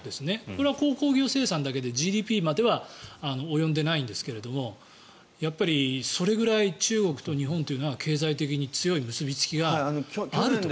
これは鉱工業生産だけでＧＤＰまでは及んでいないんですがやっぱりそれぐらい中国と日本は経済的に強い結びつきがあると。